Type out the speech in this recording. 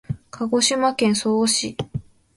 鹿児島県曽於市